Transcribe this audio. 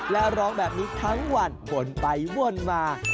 และร้องแบบนี้ทั้งวันวนไปวนมา